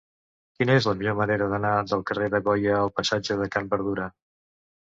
Quina és la millor manera d'anar del carrer de Goya al passatge de Can Berdura?